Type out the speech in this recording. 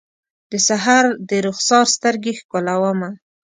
د سحر درخسار سترګې ښکلومه